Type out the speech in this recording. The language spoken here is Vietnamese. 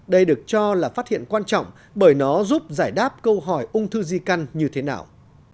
đây được cho là phát hiện quan trọng bởi nó giúp giải đáp câu hỏi ung thư di căn như thế nào